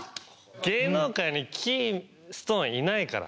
芸能界にキーストーンはいないから。